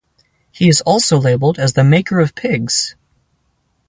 He is also labeled as the maker of pigs.